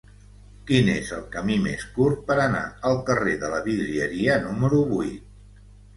Quin és el camí més curt per anar al carrer de la Vidrieria número vuit?